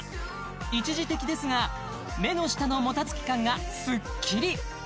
一時的ですが目の下のもたつき感がスッキリ！